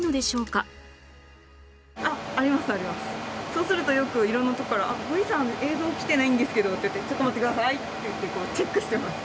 そうするとよく色んなとこからＶＥさん映像来てないんですけどっていってちょっと待ってくださいっていってこうチェックしてます。